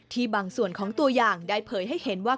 บางส่วนของตัวอย่างได้เผยให้เห็นว่า